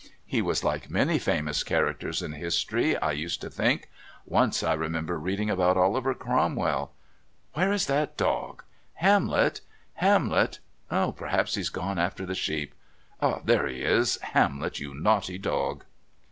"He was like many famous characters in history, I used to think. Once I remember reading about Oliver Cromwell... 'Where is that dog? Hamlet! Hamlet! Perhaps he's gone after the sheep. Ah! there he is! Hamlet, you naughty dog!'"